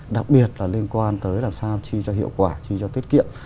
đặc biệt là liên quan tới làm sao chi cho hiệu quả chi cho tiết kiệm